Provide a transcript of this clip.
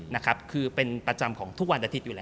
นะครับคือเป็นประจำของทุกวันอาทิตย์อยู่แล้ว